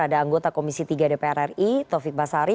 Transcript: ada anggota komisi tiga dpr ri taufik basari